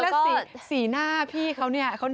กดศีลหน้าของพี่เนี่ย